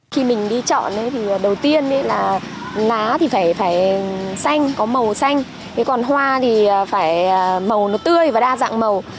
khi mình đi chọn thì đầu tiên là ná thì phải xanh có màu xanh còn hoa thì phải màu nó tươi và đa dạng màu